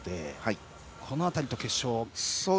この辺りと決勝を。